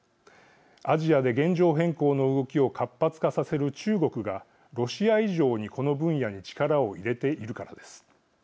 アジアで現状変更の動きを活発化させる中国がロシア以上に、この分野に力を入れているからです。